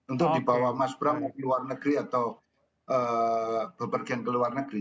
untuk dibawa mas brang ke luar negeri atau berpergian ke luar negeri